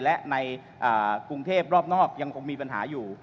และในกรุงเทพรอบนอกยังคงมีปัญหาอยู่